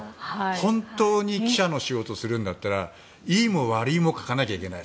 本当に記者の仕事をするんだったらいいも悪いも書かなきゃいけない。